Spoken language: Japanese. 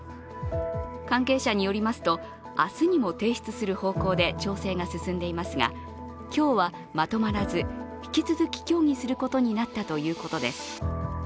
関係者によりますと明日にも提出する方向で調整が進んでいますが今日はまとまらず、引き続き協議することになったということです。